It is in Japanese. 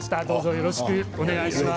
よろしくお願いします。